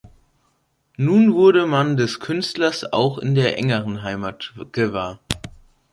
Nun wurde man des Künstlers auch in der engeren Heimat gewahr.